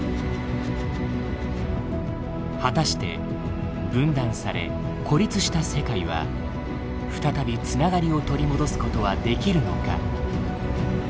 果たして分断され孤立した世界は再び繋がりを取り戻すことはできるのか。